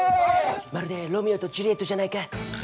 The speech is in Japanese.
まるでロミオとジュリエットじゃないか。